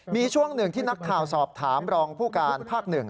มีช่วงหนึ่งที่นักข่าวสอบถามรองผู้การภาค๑